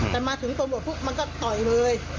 แต่มาถึงตำรวจก็จุดต่อยเลย